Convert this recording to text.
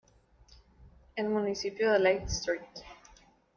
El municipio de Lake St.